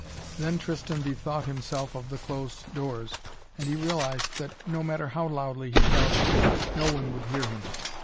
Then Tristan bethought himself of the closed doors and he realized that, no matter how loudly he shouted, no one would hear him.